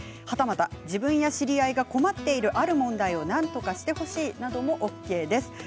はたまた自分や知り合いが困っているある問題をなんとかしてほしいなどもＯＫです。